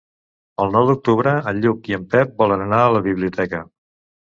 El nou d'octubre en Lluc i en Pep volen anar a la biblioteca.